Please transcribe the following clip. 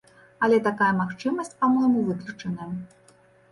Але такая магчымасць, па-мойму, выключаная.